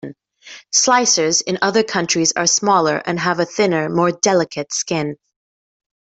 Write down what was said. Slicers in other countries are smaller and have a thinner, more delicate skin.